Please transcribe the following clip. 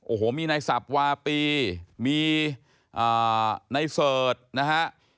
โอ้โหมีในสับวาปีมีในเสิร์ชนะฮะ